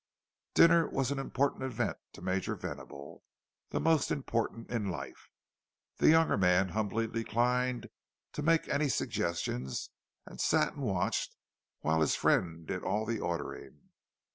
Dinner was an important event to Major Venable—the most important in life. The younger man humbly declined to make any suggestions, and sat and watched while his friend did all the ordering.